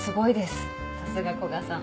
さすが古賀さん。